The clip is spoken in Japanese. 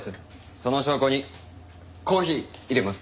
その証拠にコーヒーいれます。